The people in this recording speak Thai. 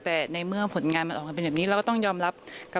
แต่ในเมื่อผลงานมันออกมาเป็นแบบนี้เราก็ต้องยอมรับ